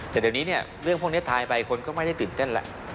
แต่เดี๋ยวนี้เนี่ยเรื่องพวกนี้ทายไปคนก็ไม่ได้ตื่นเต้นแหละ